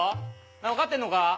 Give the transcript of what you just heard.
分かってんのか？